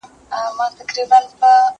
هغه وويل چي مرسته کول مهم دي!!